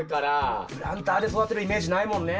プランターで育てるイメージないもんね。